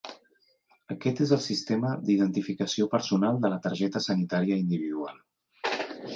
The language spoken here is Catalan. Aquest és el sistema d'identificació personal de la targeta sanitària individual.